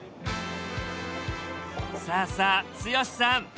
さあさあ剛さん